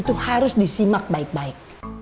itu harus disimak baik baik